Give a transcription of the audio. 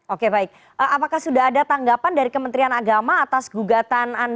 oke baik apakah sudah ada tanggapan dari kementerian agama atas gugatan anda